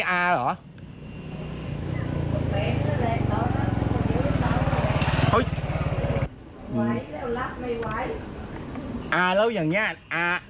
ไหวแล้วรักไม่ไหวอ๋อแล้วอย่างเงี้ยอ๋ออ๋อจะให้